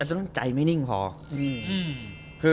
อาเซนอนใจไม่นิ่งพอ